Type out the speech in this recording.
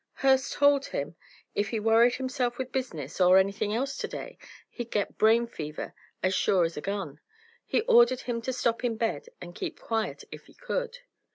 "Hurst told him if he worried himself with business, or anything else to day, he'd get brain fever as sure as a gun. He ordered him to stop in bed and keep quiet, if he could."